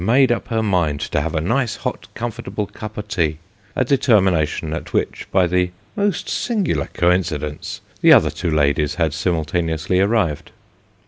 41 made up her mind to have a nice hot comfortable cup o' tea a deter mination at which, by the most singular coincidence, the other two ladies had simultaneously arrived.